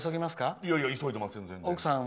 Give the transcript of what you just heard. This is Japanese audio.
いやいや、急いでません。